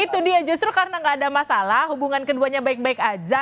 itu dia justru karena gak ada masalah hubungan keduanya baik baik aja